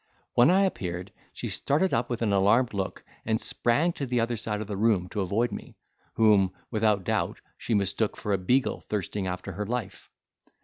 When I appeared, she started up with an alarmed look, and sprang to the other side of the room to avoid me, whom, without doubt, she mistook for a beagle thirsting after her life.